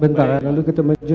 bentar ya lalu kita menjelaskan